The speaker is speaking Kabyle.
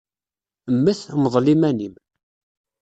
Mmet, mḍel iman-im.